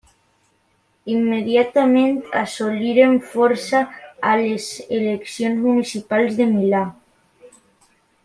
Immediatament assoliren força a les eleccions municipals de Milà.